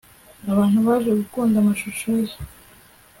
abantu baje gukunda amashusho ye